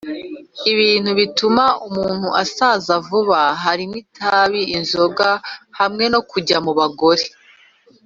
ibintu bituma umuntu asaza vuba harimo itabi, inzoga, hamwe no kujya mu bagore